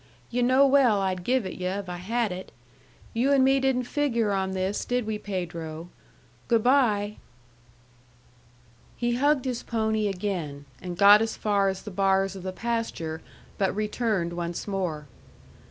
Yu' know well I'd give it yu' if I had it. You and me didn't figure on this, did we, Pedro? Good by!" He hugged his pony again, and got as far as the bars of the pasture, but returned once more.